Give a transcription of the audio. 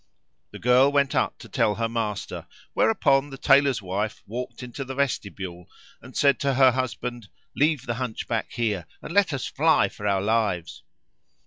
The girl went up to tell her master, whereupon the Tailor's wife walked into the vestibule and said to her husband, "Leave the Hunchback here and let us fly for our lives."